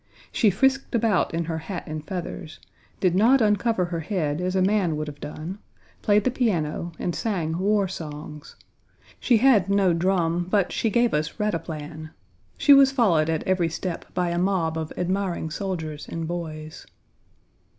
She frisked about in her hat and feathers; did not uncover her head as a man would have done; played the piano; and sang war songs. She had no drum, but she gave us rataplan. She was followed at every step by a mob of admiring soldiers and boys.